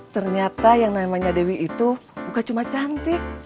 ternyata yang namanya dewi itu bukan cuma cantik